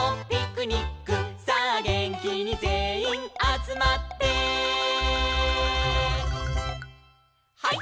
「さあげんきにぜんいんあつまって」「ハイ！